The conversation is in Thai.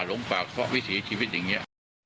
หลงป่าเพราะวิถีชีวิตอย่างนี้